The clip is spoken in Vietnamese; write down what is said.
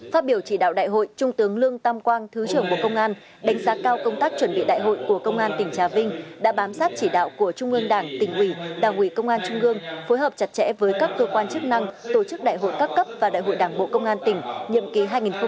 phát biểu chỉ đạo đại hội trung tướng lương tam quang thứ trưởng bộ công an đánh giá cao công tác chuẩn bị đại hội của công an tỉnh trà vinh đã bám sát chỉ đạo của trung ương đảng tỉnh ủy đảng ủy công an trung ương phối hợp chặt chẽ với các cơ quan chức năng tổ chức đại hội các cấp và đại hội đảng bộ công an tỉnh nhiệm ký hai nghìn hai mươi hai nghìn hai mươi năm